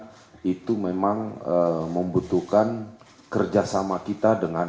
kalau misalnya kita baru lakukan sekarang sekarang karena memang untuk melakukan kerjasama antar polisi luar negeri